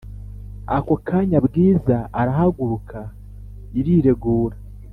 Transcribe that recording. akokanya bwiza arahaguruka iriregura